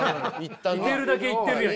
いけるだけいってるやん！